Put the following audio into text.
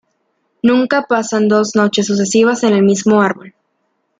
Nunca pasan dos noches sucesivas en el mismo árbol.